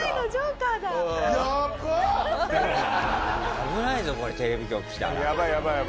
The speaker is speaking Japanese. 危ないぞこれテレビ局来たら。